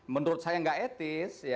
menurut saya nggak etis